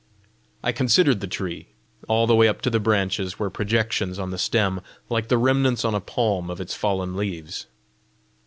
I considered the tree. All the way up to the branches, were projections on the stem like the remnants on a palm of its fallen leaves.